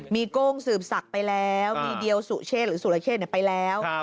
มีโก้งสืบศักดิ์ไปแล้วมีเดียวสุเชษหรือสุรเชษไปแล้ว